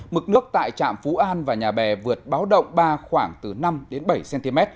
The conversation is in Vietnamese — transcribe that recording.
mực nước tại trạm phú an và nhà bè vượt báo động ba khoảng từ năm đến bảy cm